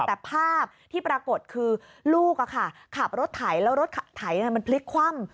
แต่ภาพที่ปรากฏคือลูกขับรถไถแล้วรถไถมันพลิกคว่ำ